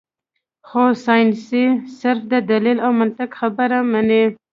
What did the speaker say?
خو سائنس صرف د دليل او منطق خبره مني -